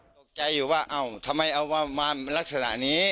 ตกใจอยู่ว่าเอ้าทำไมเอามาลักษณะนี้